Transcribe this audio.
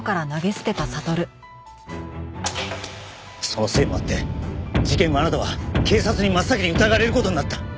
そのせいもあって事件後あなたは警察に真っ先に疑われる事になった。